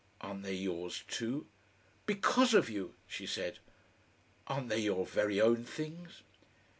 "Aren't they yours too?" "Because of you," she said. "Aren't they your very own things?"